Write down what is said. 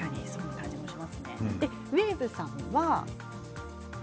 ウエーブさんは？